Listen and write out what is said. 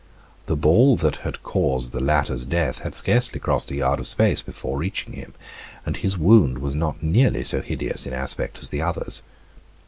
The ball that had caused the latter's death had scarcely crossed a yard of space before reaching him, and his wound was not nearly so hideous in aspect as the other's.